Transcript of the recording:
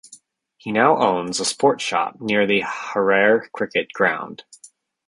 He now owns a sport shop near the Harare cricket ground.